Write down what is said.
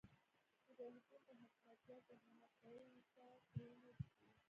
مجاهدین به حکمتیار ته حکومت کولو ته پرې نه ږدي.